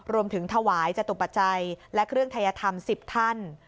รวมถึงถวายจตุปัจจัยและเครื่องทัยธรรม๑๐ท่าน